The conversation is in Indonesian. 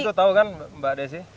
itu tahu kan mbak desi